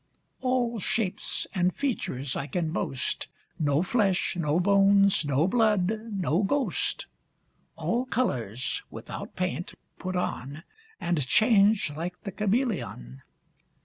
All shapes and features I can boast, No flesh, no bones, no blood no ghost: All colours, without paint, put on, And change like the cameleon.